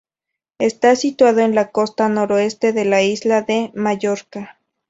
Está situado en la costa noroeste de la isla de Mallorca.